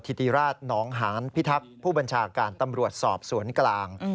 ธิติราชหนองหานพิทักษ์ผู้บัญชาการตำรวจสอบสวนกลาง